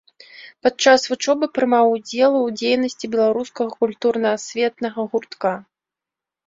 Падчас вучобы прымаў удзел у дзейнасці беларускага культурна-асветнага гуртка.